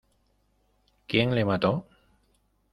¿ quién le mató?